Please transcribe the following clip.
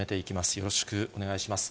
よろしくお願いします。